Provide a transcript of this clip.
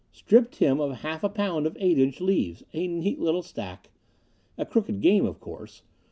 Stripped him of half a pound of eight inch leaves a neat little stack. A crooked game, of course.